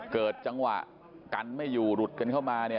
เกิดจังหวะกันไม่อยู่หลุดกันเข้ามาเนี่ย